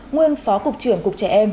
nguyên phó cục trưởng cục trẻ em